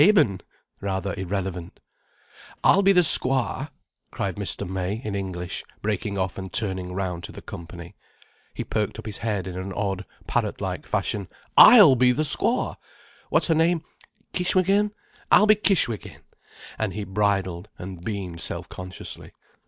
—Doch!—Eben!" rather irrelevant. "I'll be the squaw," cried Mr. May in English, breaking off and turning round to the company. He perked up his head in an odd, parrot like fashion. "I'll be the squaw! What's her name? Kishwégin? I'll be Kishwégin." And he bridled and beamed self consciously.